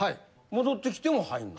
戻ってきても入んの？